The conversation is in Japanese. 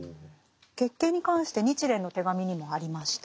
月経に関して「日蓮の手紙」にもありました。